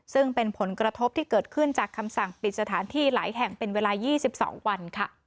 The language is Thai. ซึ่งเป็นผลกระทบที่เกิดขึ้นจากคำสั่งปิดสถานที่หลายแห่งเป็นเวลา๒๒วัน